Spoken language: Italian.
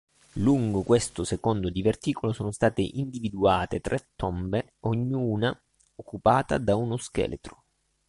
Lungo questo secondo diverticolo sono state individuate tre tombe, ognuna occupata da uno scheletro.